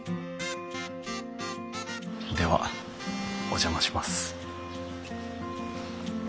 ではお邪魔します。